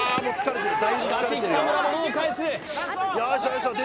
しかし北村もローを返す